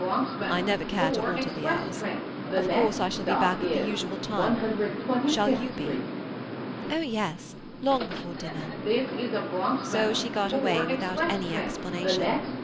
"I never care to alter the hours. Of course I shall be back at the usual time. Shall you be?" "Oh yes—long before dinner." So she got away without any explanation.